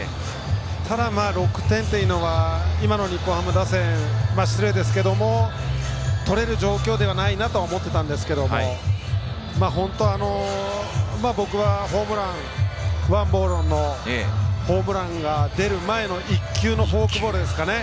ただ６点というのは今の日本ハム打線失礼ですけれど取れる状況ではないなと思っていたんですけれど僕はホームラン王柏融のホームランが出る前の１球のフォークボールですかね